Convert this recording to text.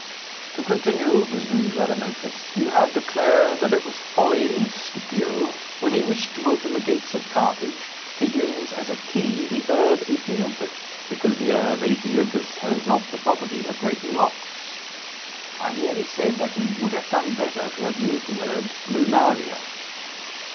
"To continue," resumed Rhadamanthus; "you have declared that it was folly in Scipio, when he wished to open the gates of Carthage, to use as a key the herb æthiopis, because the herb æthiopis has not the property of breaking locks." "I merely said that he would have done better to have used the herb lunaria."